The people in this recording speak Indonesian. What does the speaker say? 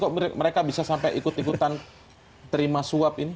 kok mereka bisa sampai ikut ikutan terima suap ini